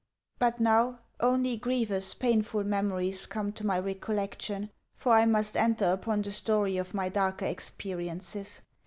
But now only grievous, painful memories come to my recollection, for I must enter upon the story of my darker experiences.